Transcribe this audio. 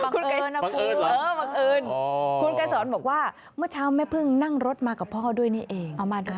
คุณไกรสอนบอกว่าเมื่อเช้าแม่เพิ่งนั่งรถมากับพ่อด้วยนี่เอง